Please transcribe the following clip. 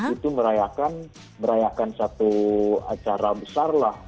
itu merayakan satu acara besar lah